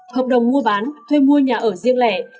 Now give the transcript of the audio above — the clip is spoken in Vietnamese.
hợp đồng mua bán thuê mua nhà ở riêng lẻ